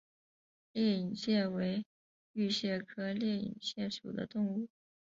裂隐蟹为玉蟹科裂隐蟹属的动物。